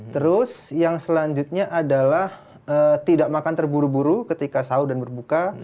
terus yang selanjutnya adalah tidak makan terburu buru ketika sahur dan berbuka